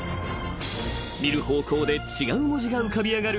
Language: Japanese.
［見る方向で違う文字が浮かび上がる